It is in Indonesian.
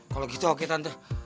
kalau gitu oke tante